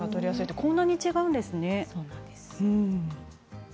こんなに違うんですね。